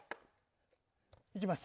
行きます。